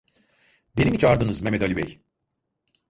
Beni mi çağırdınız Mehmet Ali bey?